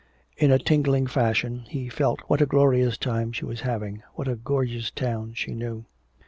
In a tingling fashion he felt what a glorious time she was having, what a gorgeous town she knew.